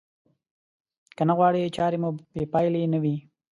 که نه غواړئ چارې مو بې پايلې نه وي.